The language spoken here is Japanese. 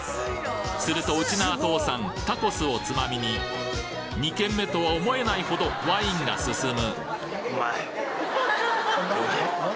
するとウチナー父さんタコスをつまみに２軒目とは思えないほどワインがすすむ！